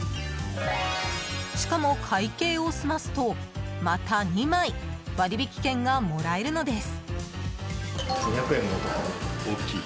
しかも会計を済ますと、また２枚割引券がもらえるのです。